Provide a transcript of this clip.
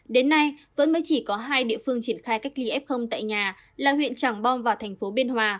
đến nay vẫn mới chỉ có hai địa phương triển khai cách ly f tại nhà là huyện trảng bom và thành phố biên hòa